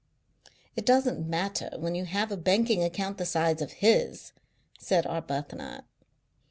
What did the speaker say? "It doesn't matter when you have a banking account the size of his," said Arbuthnot.